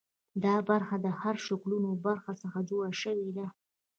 دا برخه له هرم شکلو برخو څخه جوړه شوې ده.